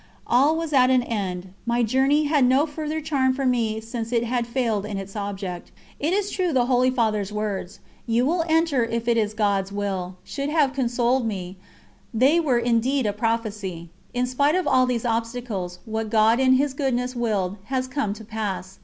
All was at an end. My journey had no further charm for me since it had failed in its object. It is true the Holy Father's words: "You will enter if it is God's Will," should have consoled me, they were indeed a prophecy. In spite of all these obstacles, what God in His goodness willed, has come to pass.